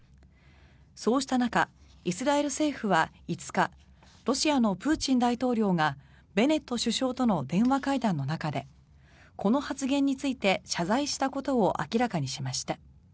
そうした中、イスラエル政府は５日ロシアのプーチン大統領がベネット首相との電話会談の中でこの発言について謝罪したことを明らかにしました。